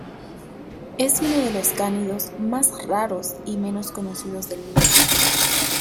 Es uno de los cánidos más raros y menos conocidos del mundo.